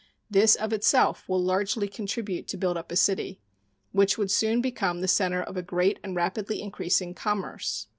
This of itself will largely contribute to build up a city, which would soon become the center of a great and rapidly increasing commerce.